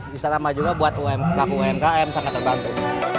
bisa lama juga buat pelaku umkm sangat terbantu